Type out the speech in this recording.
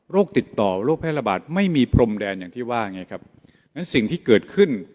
ติดต่อโรคแพร่ระบาดไม่มีพรมแดนอย่างที่ว่าไงครับงั้นสิ่งที่เกิดขึ้น